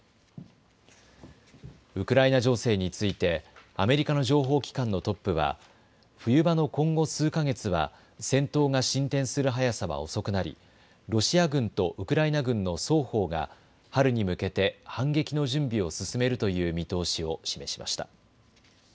ウクライナ情勢についてアメリカの情報機関のトップは冬場の今後数か月は戦闘が進展する速さは遅くなりロシア軍とウクライナ軍の双方が春に向けて反撃の準備を進めるという見通しを示しました。